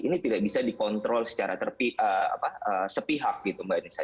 ini tidak bisa dikontrol secara sepihak gitu mbak nisa